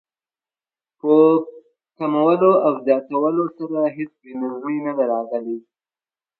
په کمولو او زیاتولو سره هېڅ بې نظمي نه ده راغلې.